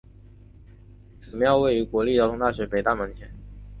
此庙位于国立交通大学北大门前。